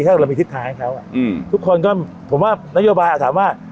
ถ้าเรามีทิศทางให้เขาทุกคนก็ผมว่านโยบายอาจถามว่า